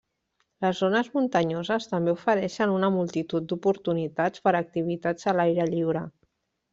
Les zones muntanyoses també ofereixen una multitud d'oportunitats per a activitats a l'aire lliure.